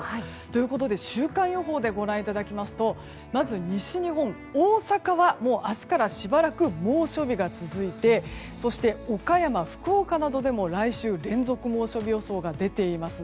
ということで、週間予報でご覧いただきますとまず西日本、大阪はもう明日からしばらく猛暑日が続いてそして、岡山、福岡などでも来週連続、猛暑日予想が出ています。